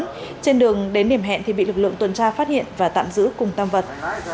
trên đường đến điểm hẹn thì bị lực lượng tuần tra phát hiện và tạm giữ cùng tam vật